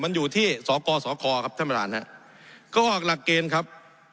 มันอยู่ที่สกสคครับท่านประธานฮะก็ออกหลักเกณฑ์ครับ